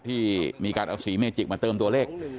ที่มีการเอาสีเมจิกมาเติมตัวเลข